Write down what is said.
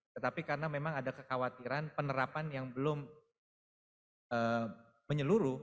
tetapi karena memang ada kekhawatiran penerapan yang belum menyeluruh